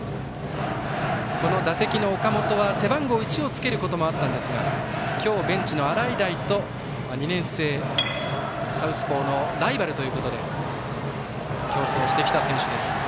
この打席の岡本は背番号１をつけることもあったんですが今日、ベンチの洗平と２年生サウスポーのライバルということで競争をしてきた選手。